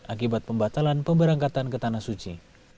akibat pembatalan pemberangkatan ke tanah suci